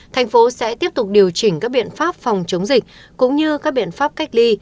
thành phố sẽ tiếp tục điều chỉnh các biện pháp phòng chống dịch cũng như các biện pháp cách ly